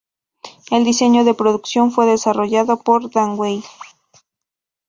El diseño de producción fue desarrollado por Dan Weil.